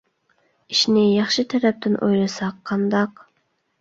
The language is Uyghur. ئىشنى ياخشى تەرەپتىن ئويلىساق قانداق؟